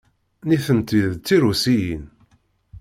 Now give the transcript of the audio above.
Nitenti d Tirusiyin.